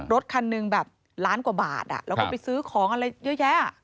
รถคันหนึ่งแบบล้านกว่าบาทแล้วก็ไปซื้อของอะไรเยอะแยะ